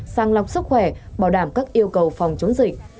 sàng lọc sức khỏe bảo đảm các yêu cầu phòng chống dịch